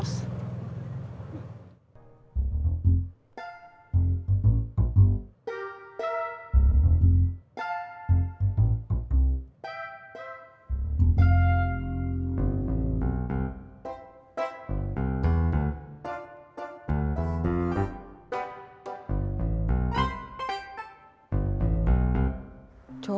kasih ya tis